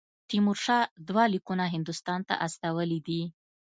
تیمورشاه دوه لیکونه هندوستان ته استولي دي.